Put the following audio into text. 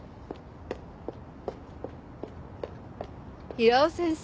平尾先生。